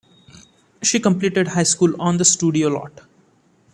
She completed high school on the studio lot.